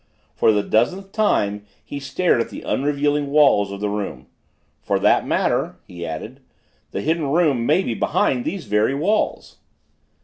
For the dozenth time he stared at the unrevealing walls of the room. "For that matter," he added, "the Hidden Room may be behind these very walls."